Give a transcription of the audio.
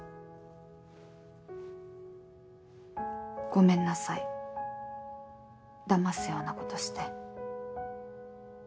ごめんなさいだますようなことして。